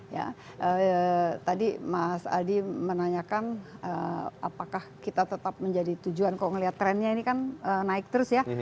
ya tadi mas adi menanyakan apakah kita tetap menjadi tujuan kalau melihat trennya ini kan naik terus ya